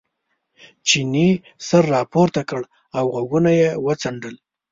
چیني سر را پورته کړ او غوږونه یې وڅنډل.